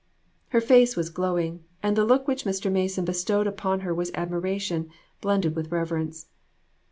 Her face was glowing, and the look which Mr. Mason bestowed upon her was admiration, blended with reverence.